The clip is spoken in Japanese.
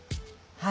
はい。